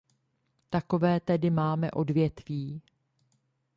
Takové tedy máme odvětví.